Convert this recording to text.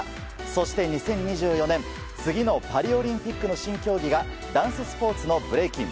そして２０２４年次のパリオリンピックの新競技がダンススポーツのブレイキン。